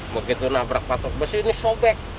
begitu nabrak patok besi ini sobek